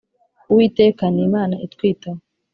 uwiteka ni imana itwitaho